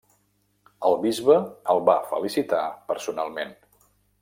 El bisbe el va felicitar personalment.